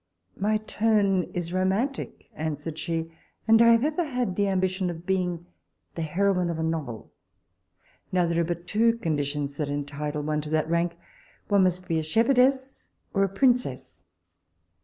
My turn is romantic, answered she, and I have ever had an ambition of being the heroine of a novel. Now there are but two conditions that entitle one to that rank; one must be a shepherdess or a princess.